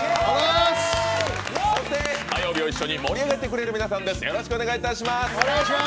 そして、火曜日を一緒に盛り上げてくれる皆さんです。